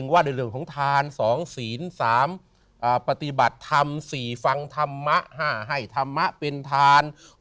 ว่าด้วยเรื่องของทาน๒ศีล๓ปฏิบัติธรรม๔ฟังธรรมะ๕ให้ธรรมะเป็นทาน